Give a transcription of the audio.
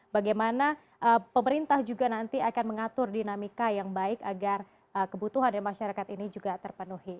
bagaimana pemerintah juga nanti akan mengatur dinamika yang baik agar kebutuhan masyarakat ini juga terpenuhi